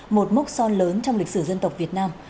một mốc son lớn trong lịch sử dân tộc việt nam